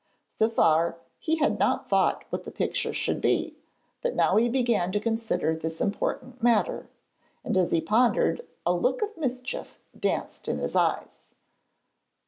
So far he had not thought what the picture should be, but now he began to consider this important matter, and as he pondered a look of mischief danced in his eyes.